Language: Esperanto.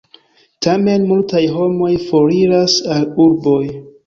Tamen multaj homoj foriras al urboj.